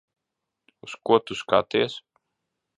Uz ko tu skaties?